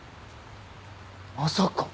まさか！